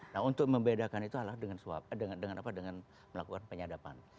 nah untuk membedakan itu adalah dengan melakukan penyadapan